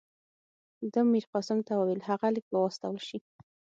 ده میرقاسم ته وویل هغه لیک به واستول شي.